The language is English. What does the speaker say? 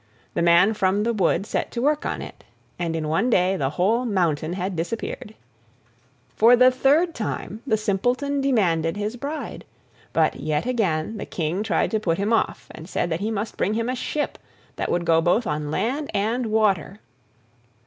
The man from the wood set to work on it, and in one day the whole mountain had disappeared. For the third time the Simpleton demanded his bride, but yet again the King tried to put him off, and said that he must bring him a ship that would go both on land and water.